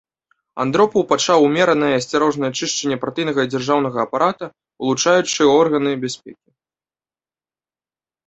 Андропаў пачаў умеранае і асцярожнае чышчанне партыйнага і дзяржаўнага апарата, улучаючы органы бяспекі.